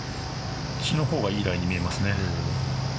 こっちの方がいいライに見えますね。